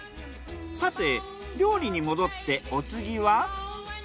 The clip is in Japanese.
さて料理に戻ってお次は。